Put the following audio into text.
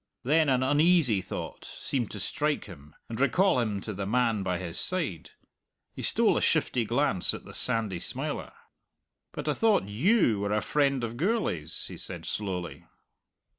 Then an uneasy thought seemed to strike him and recall him to the man by his side. He stole a shifty glance at the sandy smiler. "But I thought you were a friend of Gourlay's," he said slowly.